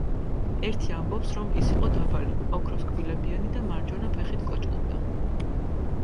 ერთი ამბობს, რომ ის იყო დაბალი, ოქროს კბილებიანი და მარჯვენა ფეხით კოჭლობდა.